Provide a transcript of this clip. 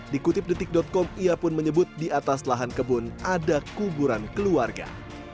dikutip detik com ia pun menyebut di atas lahan kebun ada kuburan keluarga